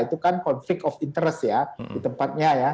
itu kan konflik keinginan ya di tempatnya ya